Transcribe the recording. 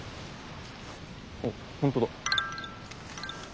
あっ本当だ。